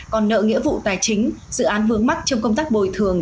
còn nợ nghĩa vụ tài chính dự án vướng mắc trong công tác bồi thường